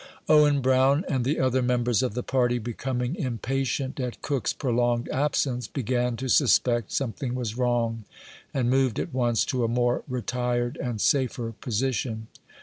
Owen Brown, and the other members of the party, becom ing impatient at Cook's prolonged absence, began to suspect something was wrong, and moved at once to a more retired and safer position.